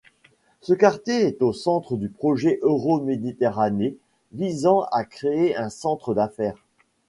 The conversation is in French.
Ce quartier est au centre du projet Euroméditerranée, visant à créer un centre d'affaires.